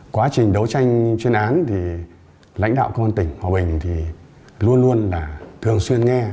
quá trình đấu tranh chuyên án lãnh đạo công an tỉnh hòa bình luôn luôn thường xuyên nghe